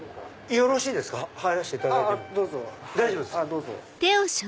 どうぞ。